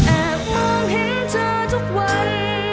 มองเห็นเธอทุกวัน